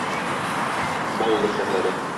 Баулы шәһәре.